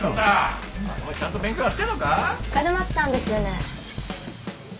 あっ。